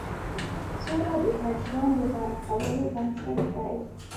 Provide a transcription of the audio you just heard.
سوله د ګډ ژوند د غوره کولو بنسټ دی.